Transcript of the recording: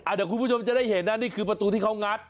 เดี๋ยวคุณผู้ชมจะได้เห็นนะนี่คือประตูที่เขางัด